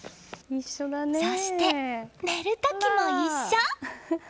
そして、寝る時も一緒！